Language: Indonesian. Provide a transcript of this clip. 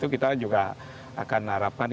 kita juga akan harapkan